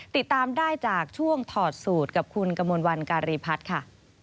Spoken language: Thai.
ติดตามได้จากช่วงถอดสูตรกับคุณกมลวันการีพัฒน์ค่ะ